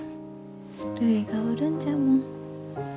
るいがおるんじゃもん。